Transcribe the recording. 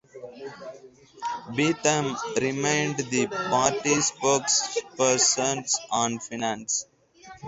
Beetham remained the party spokesperson on finance.